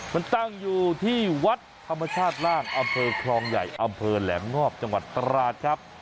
มันตั้งอยู่ที่วัดธรรมชาติล่างอำเภอคลองใหญ่อำเภอแหลมงอบจังหวัดตราดครับ